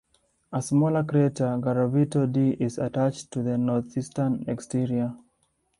A smaller crater Garavito D is attached to the northeastern exterior.